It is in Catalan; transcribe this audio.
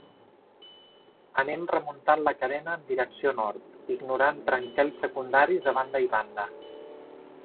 Anem remuntant la carena, en direcció nord, ignorant trencalls secundaris a banda i banda.